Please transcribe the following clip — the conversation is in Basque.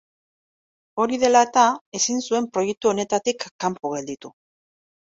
Hori dela eta, ezin zuen proiektu honetatik kanpo gelditu.